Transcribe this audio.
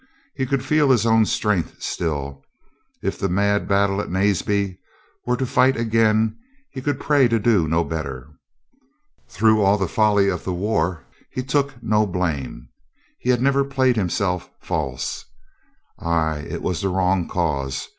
He could feel his own strength still. If the mad battle of Naseby were to fight again, he could pray to do no better. Through all the folly of the war he took no blame. He had never played him self false. ... Ay, it was the wrong cause.